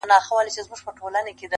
قربانو مخه دي ښه!!